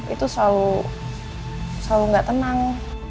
itu selalu gak tenang